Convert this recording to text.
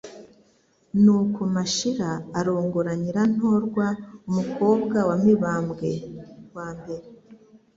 Nuko Mashira arongora Nyirantorwa umukobwa wa Mibambwe I,